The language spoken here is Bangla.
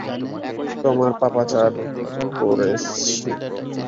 তোরা পাপাচার করেছিস!